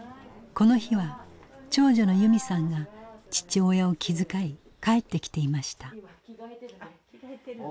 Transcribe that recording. この日は長女の由美さんが父親を気遣い帰ってきていました。